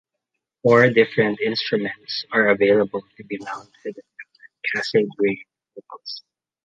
Four different instruments are available to be mounted at the Cassegrain focus.